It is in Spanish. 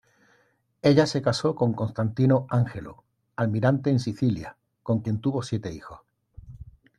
Ella se caso con Constantino Ángelo, almirante en Sicilia, con quien tuvo siete hijos.